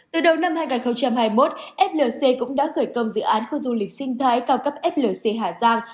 từ đầu năm hai nghìn hai mươi một flc cũng đã khởi công dự án khu du lịch sinh thái cao cấp flc hà giang